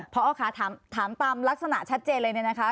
พอค่ะถามตามลักษณะชัดเจนเลยเนี่ยนะคะ